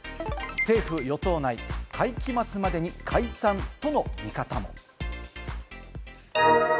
政府与党内、会期末までに解散との見方も。